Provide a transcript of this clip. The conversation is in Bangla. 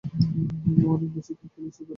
মা, অনেক বেশী খেয়ে ফেলেছি, পেট ভরে গেছে।